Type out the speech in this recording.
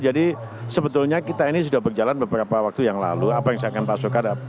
jadi sebetulnya kita ini sudah berjalan beberapa waktu yang lalu apa yang saya akan masukkan